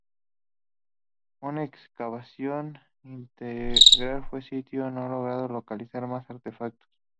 Una excavación integral del sitio no logró localizar más artefactos.